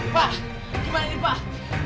pak gimana ini pak